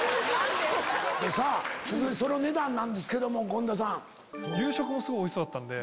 さぁその値段なんですけども権田さん。